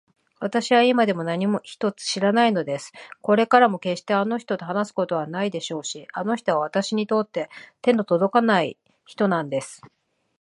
わたしは今でも何一つ知らないのです。これからもけっしてあの人と話すことはないでしょうし、あの人はわたしにとっては手のとどかない人なんです。